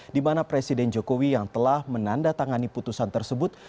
dimana presiden jokowi yang telah menandatangani putusan tersebut